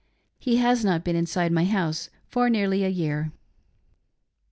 He has not been inside my house for nearly a year.